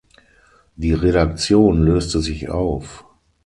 Die Redaktion löste sich auf.